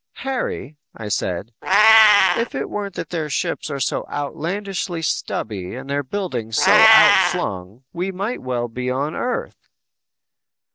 "Harry," I said, "if it weren't that their ships are so outlandishly stubby and their buildings so outflung, we might well be on Earth!"